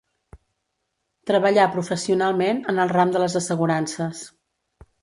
Treballà professionalment en el ram de les assegurances.